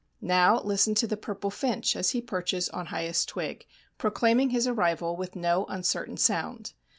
Now listen to the purple finch as he perches on highest twig, proclaiming his arrival with no uncertain sound.